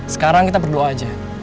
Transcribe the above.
sekarang kita berdoa aja